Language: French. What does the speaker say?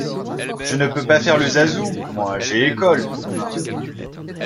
Je ne peux pas faire le zazou, moi, j’ai école, demain.